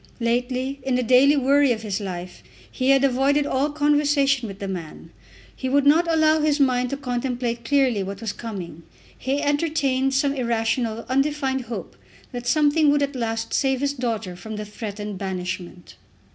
Lately, in the daily worry of his life, he had avoided all conversation with the man. He would not allow his mind to contemplate clearly what was coming. He entertained some irrational, undefined hope that something would at last save his daughter from the threatened banishment.